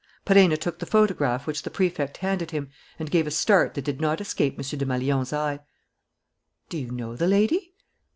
Perenna took the photograph which the Prefect handed him and gave a start that did not escape M. Desmalions's eye. "Do you know the lady?"